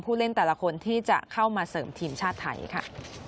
เล่นแต่ละคนที่จะเข้ามาเสริมทีมชาติไทยค่ะ